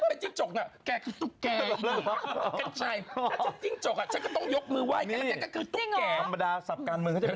มึงให้บีคลับเขาคุยทุกพัก